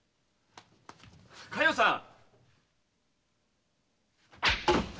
佳代さん！